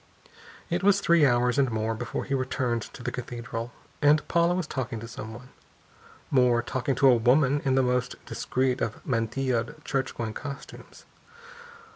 It was three hours and more before he returned to the Cathedral, and Paula was talking to someone. More, talking to a woman in the most discreet of mantilla'd church going costumes.